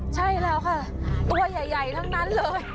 ใช่แล้วค่ะตัวใหญ่ทั้งนั้นเลย